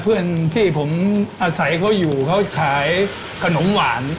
เพื่อนที่ผมอาศัยเขาอยู่เขาขายขนมหวาน